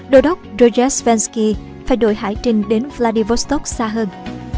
đô đốc rozhetsvansky phải đuổi hải trình đến phú thuận